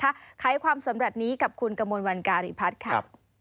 ไขความสำเร็จนี้กับคุณกมลวันการีพัฒน์ค่ะ